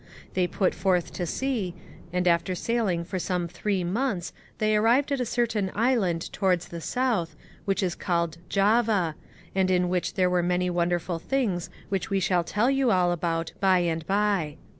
They put forth to sea, and after sailing for some three months they arrived at a certain Island towards the South, which is called Java,* and in which there are many wonderful things which we shall tell you all about by and bye.